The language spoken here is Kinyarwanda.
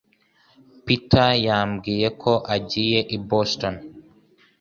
peter yambwiye ko agiye i Boston.